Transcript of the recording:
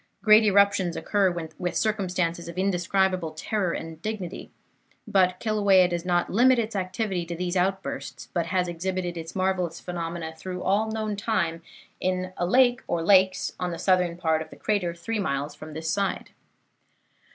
Great eruptions occur with circumstances of indescribable terror and dignity; but Kilauea does not limit its activity to these outbursts, but has exhibited its marvellous phenomena through all known time in a lake or lakes on the southern part of the crater three miles from this side.